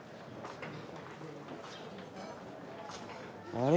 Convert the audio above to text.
あれ？